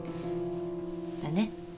だね。